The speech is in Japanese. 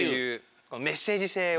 メッセージせいを。